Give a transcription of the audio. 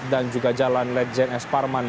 dan juga jalan ledjen s parman